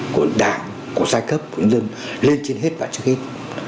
của đảng của giai cấp của nhân dân lên trên hết và trước hết